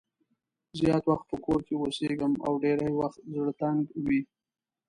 زیات وخت په کور کې اوسېږم او ډېری وخت زړه تنګ وي.